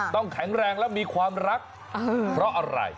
แข็งแรงและมีความรักเพราะอะไร